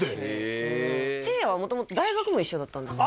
えせいやは元々大学も一緒だったんですよ